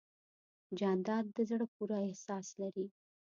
جانداد د زړه پوره احساس لري.